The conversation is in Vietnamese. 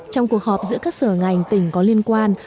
trong cuộc họp giữa các sở ngành tỉnh có liên quan